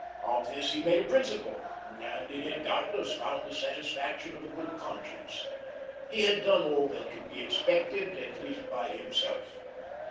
Of this he made a principle, and in it doubtless found the satisfaction of a good conscience; he had done all that could be expected, at least by himself.